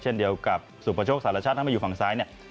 เช่นเดียวกับสุประโชคสารชาติถ้ามาอยู่ฝั่งซ้ายเนี่ย